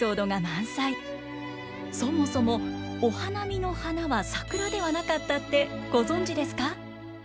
そもそもお花見の花は桜ではなかったってご存じですか？